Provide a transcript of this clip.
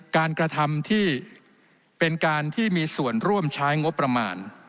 กระทำที่เป็นการที่มีส่วนร่วมใช้งบประมาณ